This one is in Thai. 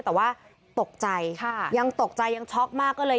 แต่ว่าตกใจยังตกใจยังช็อกมากก็เลย